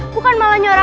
bukan malah nyuruh nyuruh